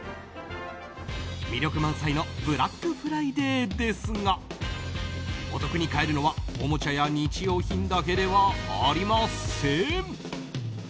魅力満載のブラックフライデーですがお得に買えるのはおもちゃや日用品だけではありません。